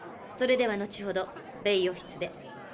それでは後ほどベイオフィスで。